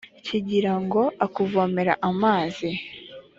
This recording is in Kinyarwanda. kigirango akuvomere amazi.